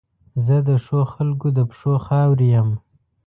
زه د ښو خلګو د پښو خاورې یم.